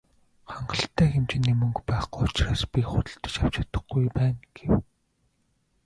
"Хангалттай хэмжээний мөнгө байхгүй учраас би худалдаж авч чадахгүй байна" гэв.